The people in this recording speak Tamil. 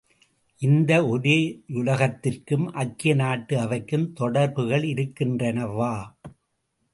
இந்த ஒரே யுலகத்திற்கும் ஐக்கியநாட்டு அவைக்கும் தொடர்புகள் இருக்கின்றனவா?